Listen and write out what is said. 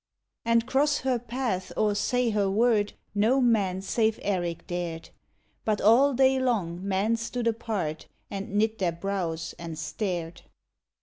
And cross her path or say her word No man save Erik dared ; But all day long men stood apart, And knit their brows, and stared.